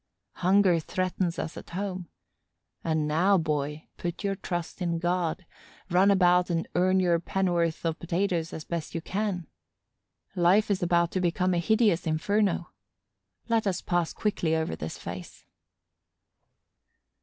Hunger threatens us at home. And now, boy, put your trust in God; run about and earn your penn'orth of potatoes as best you can. Life is about to become a hideous inferno. Let us pass quickly over this phase.